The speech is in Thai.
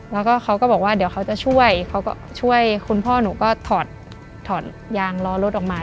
แล้วก็เขาก็บอกว่าเดี๋ยวเขาจะช่วยเขาก็ช่วยคุณพ่อหนูก็ถอดยางล้อรถออกมา